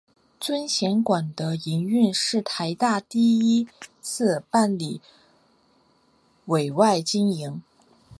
尊贤馆的营运是台大第一次办理委外经营。